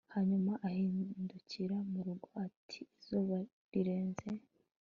Hanyuma ahindukira murugo ati izuba rirenze